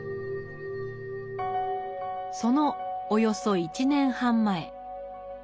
そのおよそ１年半前。